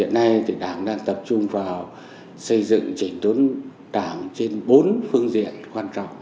hiện nay thì đảng đang tập trung vào xây dựng chỉnh đốn đảng trên bốn phương diện quan trọng